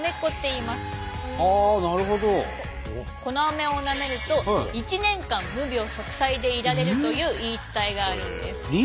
このアメをなめると一年間無病息災でいられるという言い伝えがあるんです。